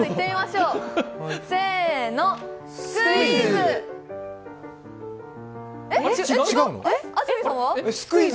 せーの、スクイズ！